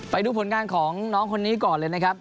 ไปดูผลงานของน้องคนนี้ก่อนเลยนะครับ